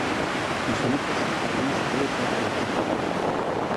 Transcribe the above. Visualízase que isto é parte de tres partidos.